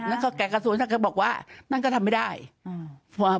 แล้วก็แก่กระทรวงท่านก็บอกว่านั่นก็ทำไม่ได้อืม